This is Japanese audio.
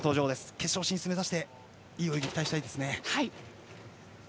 決勝進出目指していい泳ぎを期待したいです。